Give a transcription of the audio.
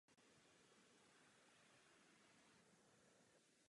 Klasickou skladbou v tomto stylu je známá klavírní skladba Jaroslava Ježka "Bugatti Step".